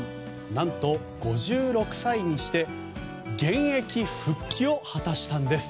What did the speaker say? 何と、５６歳にして現役復帰を果たしたんです。